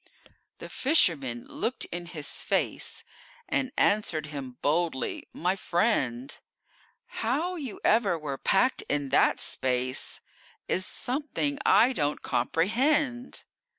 The fisherman looked in his face, And answered him boldly: "My friend, How you ever were packed in that space Is something I don't comprehend.